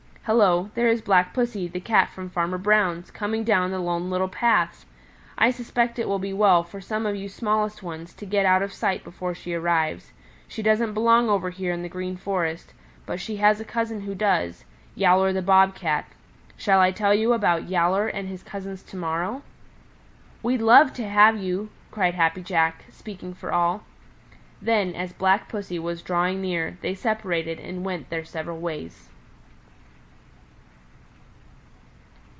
Hello, there is Black Pussy, the cat from Farmer Brown's, coming down the Lone Little Path! I suspect it will be well for some of you smallest ones to get out of sight before she arrives. She doesn't belong over here in the Green Forest, but she has a cousin who does, Yowler the Bob Cat. Shall I tell you about Yowler and his cousins to morrow?" "We'd love to have you!" cried Happy Jack, speaking for all. Then, as Black Pussy was drawing near, they separated and went their several ways.